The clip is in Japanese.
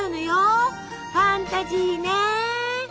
ファンタジーね！